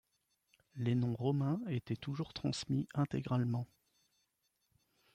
Les noms romains étaient toujours transmis intégralement.